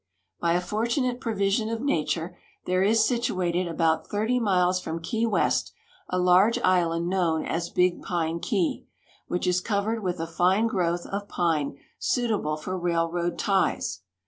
By a fortunate provision of nature there is situated about 30 miles from Key West a large island known as Big Pine Key, which is covered with a fine growth of pine suitable for railroad ties.